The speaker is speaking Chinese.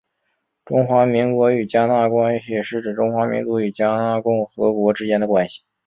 中华民国与迦纳关系是指中华民国与迦纳共和国之间的关系。